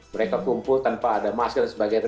mereka kumpul tanpa ada masker dan sebagainya